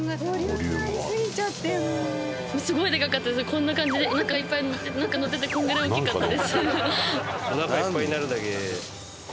こんな感じでなんかいっぱいのっててこのぐらい大きかったです。